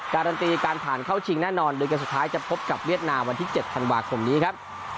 การันตีการผ่านเข้าชิงแน่นอนโดยเกมสุดท้ายจะพบกับเวียดนามวันที่๗ธันวาคมนี้ครับ